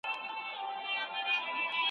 د وریښتانو رژیدل د قیچي پرته نه حل کیږي.